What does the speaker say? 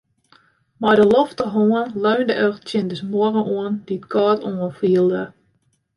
Mei de lofterhân leunde er tsjin de muorre oan, dy't kâld oanfielde.